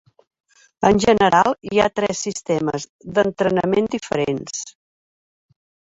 En general hi ha tres sistemes d'entrenament diferents.